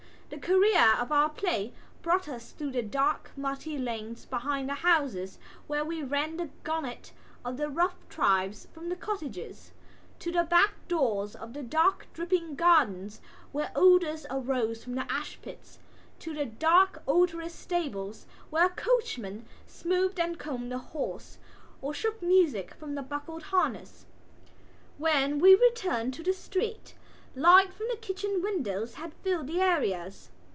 The career of our play brought us through the dark muddy lanes behind the houses where we ran the gauntlet of the rough tribes from the cottages, to the back doors of the dark dripping gardens where odours arose from the ashpits, to the dark odorous stables where a coachman smoothed and combed the horse or shook music from the buckled harness. When we returned to the street light from the kitchen windows had filled the areas.